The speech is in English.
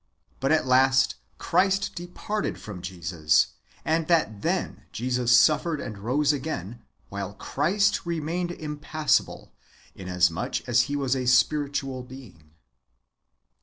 But at last Christ departed from Jesus, and that then Jesus suffered and rose again, while Christ remained impassible, inasmuch as he was a spiritual being.